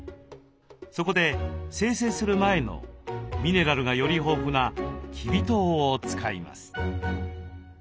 そこで精製する前のミネラルがより豊富なきび糖を使います。